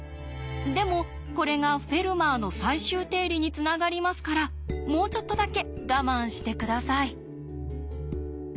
でもこれが「フェルマーの最終定理」につながりますからもうちょっとだけ我慢して下さい。